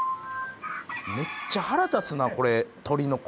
めっちゃ腹立つなこれ鶏の声